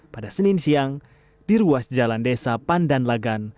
pada senin siang di ruas jalan desa pandan lagan